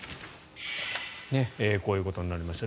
こういうことになりました。